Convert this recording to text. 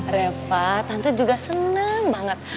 reva tante juga senang banget